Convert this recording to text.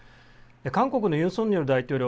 韓国のユン・ソンニョル大統領